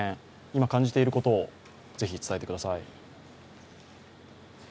今、感じていることをぜひ伝えてください。